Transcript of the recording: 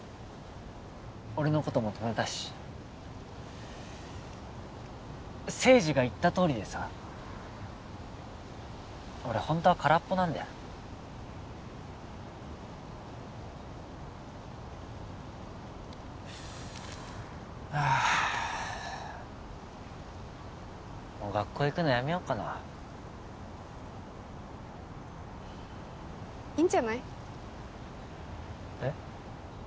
俺のことも止めたし誠二が言ったとおりでさ俺ホントは空っぽなんだよはあもう学校行くのやめよっかないいんじゃないえっ？